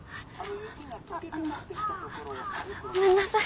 ああの。ごめんなさい。